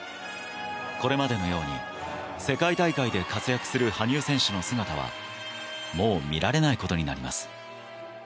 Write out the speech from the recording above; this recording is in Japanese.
これまでのように世界大会で活躍する羽生選手の姿はもう見られないことになります。